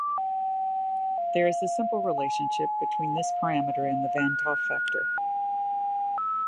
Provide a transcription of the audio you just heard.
There is a simple relationship between this parameter and the van 't Hoff factor.